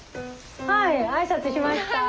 はい挨拶しました。